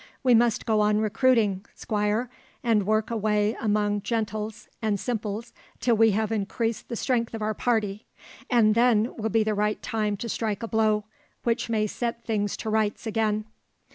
We must go on recruiting, Squire, and work away among gentles and simples till we have increased the strength of our party, and then will be the time to strike a blow, which may set things to rights again."